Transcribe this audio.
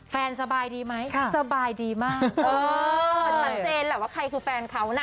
สบายดีไหมสบายดีมากเออชัดเจนแหละว่าใครคือแฟนเขานะ